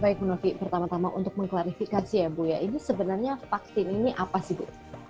baik menuruti pertama tama untuk mengklarifikasi ya bu ya ini sebenarnya vaksin ini apa sih bu